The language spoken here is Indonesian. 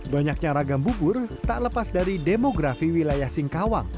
banyaknya ragam bubur tak lepas dari demografi wilayah singkawang